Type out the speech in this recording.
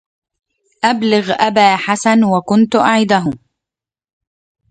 أبلغ أبا حسن وكنت أعده